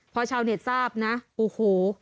พอชาวเน็ตทราบนะโอ้โห